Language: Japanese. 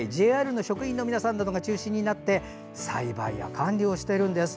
ＪＲの職員の皆さんなどが中心になって栽培や管理をしているんです。